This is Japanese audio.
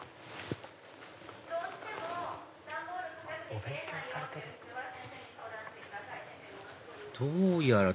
お勉強されてるの？